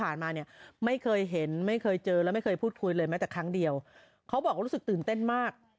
อันนี้หนูโหดสูตรนี้เลยค่ะ